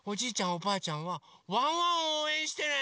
おばあちゃんはワンワンをおうえんしてね！